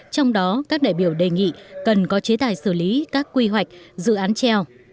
trong đó các đại biểu đề nghị cần có chế tài xử lý các quy hoạch dự án treo